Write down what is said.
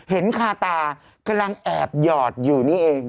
เห็นคาตากำลังแอบหยอดอยู่นี่เอง